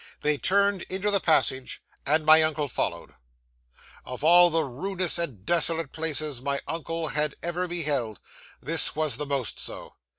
They turned into the passage, and my uncle followed. 'Of all the ruinous and desolate places my uncle had ever beheld, this was the most so.